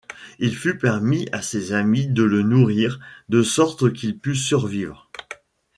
Il fut permis à ses amis de le nourrir, de sorte qu'il put survivre.